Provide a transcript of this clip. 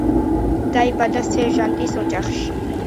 დაიბადა სერჟანტის ოჯახში.